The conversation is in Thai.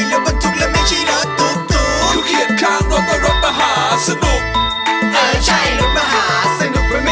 ชวมเมื่อกี้คือชวมระดับโลกอ่ะพี่